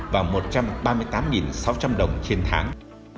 và một trăm ba mươi tám sáu trăm linh đồng trên tháng